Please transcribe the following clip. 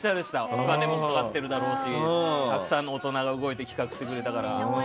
お金もかかってるだろうしたくさんの大人が動いてくれたから。